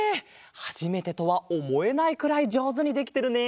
はじめてとはおもえないくらいじょうずにできてるね。